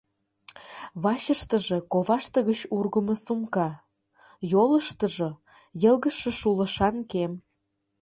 Вачыштыже коваште гыч ургымо сумка, йолыштыжо – йылгыжше шулышан кем.